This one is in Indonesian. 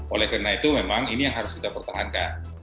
oleh karena itu memang ini yang harus kita pertahankan